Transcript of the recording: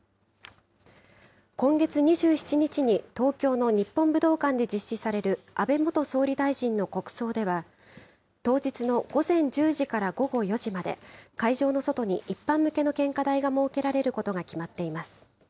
今月２７日に、東京の日本武道館で実施される安倍元総理大臣の国葬では、当日の午前１０時から午後４時まで、会場の外に一般向けの献花台が設けられることが決まっています。